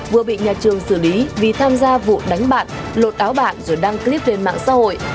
vừa bị nhà trường xử lý vì tham gia vụ đánh bạn lột áo bạn rồi đăng clip lên mạng xã hội